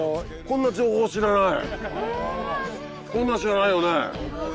こんなん知らないよね？